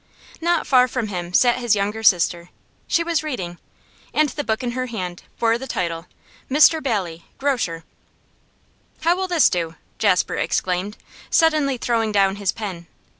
Not far from him sat his younger sister; she was reading, and the book in her hand bore the title, 'Mr Bailey, Grocer.' 'How will this do?' Jasper exclaimed, suddenly throwing down his pen.